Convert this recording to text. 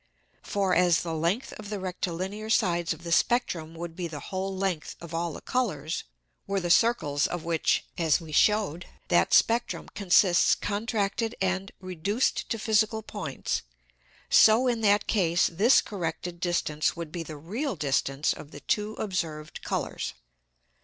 For, as the Length of the Rectilinear Sides of the Spectrum would be the whole Length of all the Colours, were the Circles of which (as we shewed) that Spectrum consists contracted and reduced to Physical Points, so in that Case this corrected distance would be the real distance of the two observed Colours.